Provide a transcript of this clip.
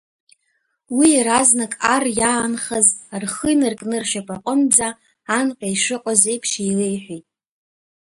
Уи иаразнак ар иаанхаз рхы инаркны ршьапаҟынӡа анкьа ишыҟаз еиԥш еилеиҳәеит.